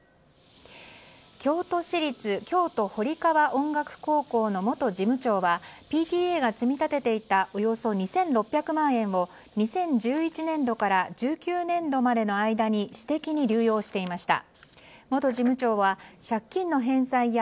京都市立京都堀川音楽高校の元事務長はＰＴＡが積み立てていたおよそ２６００万円を２０１１年度から１９年度までの間に私的に流用していました。